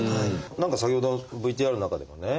何か先ほどのＶＴＲの中でもね